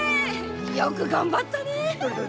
よく頑張ったねえ！